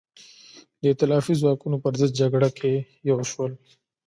د ایتلافي ځواکونو پر ضد جګړه کې یو شول.